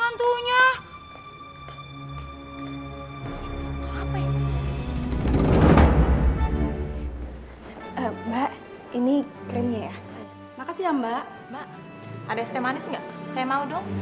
oh yaudah sebentar saya buatin ya